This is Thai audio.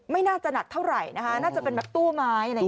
ไม่น่าจะหนักเท่าไหร่นะคะน่าจะเป็นแบบตู้ไม้อะไรอย่างนี้